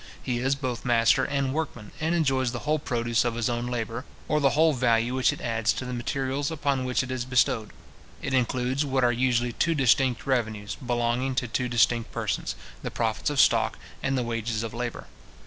He is both master and workman, and enjoys the whole produce of his own labour, or the whole value which it adds to the materials upon which it is bestowed. It includes what are usually two distinct revenues, belonging to two distinct persons, the profits of stock, and the wages of labour.